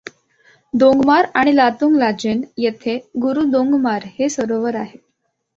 दोंगमार आणि लातुंग लाचेन येथे गुरू दोंगमार हे सरोवर आहे.